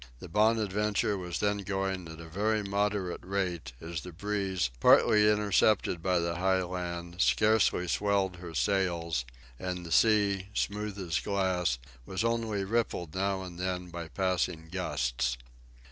The "Bonadventure" was then going at a very moderate rate, as the breeze, partly intercepted by the high land, scarcely swelled her sails, and the sea, smooth as glass, was only rippled now and then by passing gusts.